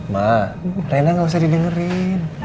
mak rena gak usah didengerin